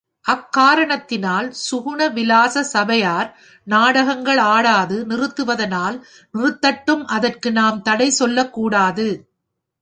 அக்காரணத்தினால் சுகுண விலாச சபையார், நாடகங்கள் ஆடாது நிறுத்துவதனால் நிறுத்தட்டும் அதற்கு நாம் தடை சொல்லக்கூடாது.